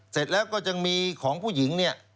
เสร็จแล้วก็ยังมีของผู้หญิงเนี่ย